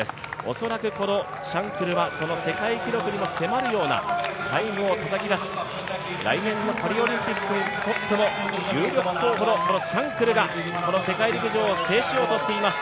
恐らくこのシャンクルは世界記録にも迫るタイムをたたき出す来年のパリオリンピックにとっても有力候補のこのシャンクルがこの世界陸上を制しようとしています